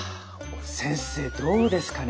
先生どうですかね？